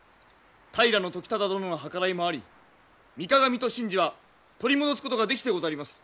平時忠殿の計らいもあり御鏡と神璽は取り戻すことができてござります。